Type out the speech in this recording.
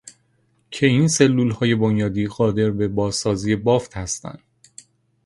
که این سلولهای بنیادی قادر به بازسازی بافت هستن